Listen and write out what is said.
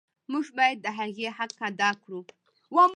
موږ باید د هغې حق ادا کړو.